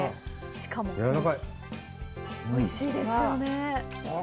しかも、おいしいですよね。